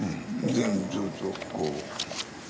ずっとこう。